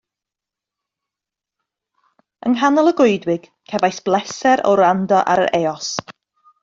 Yng nghanol y goedwig cefais bleser o wrando ar yr eos